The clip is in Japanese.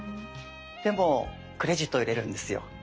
でもクレジットを入れるんですよ。